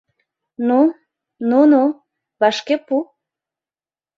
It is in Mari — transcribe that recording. Ну... ну-ну, вашке пу.